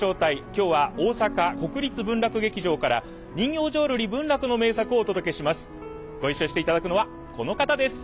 今日は大阪国立文楽劇場から人形浄瑠璃文楽の名作をお届けします。